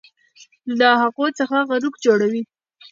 له هغو څخه غروق جوړوي